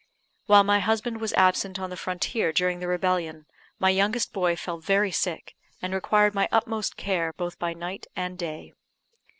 While my husband was absent on the frontier during the rebellion, my youngest boy fell very sick, and required my utmost care, both by night and day.